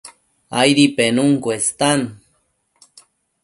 Aidi penun cuestan